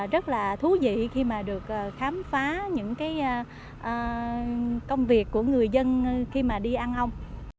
rất là thú vị khi mà được khám phá những cái công việc của người dân khi mà đi ăn ong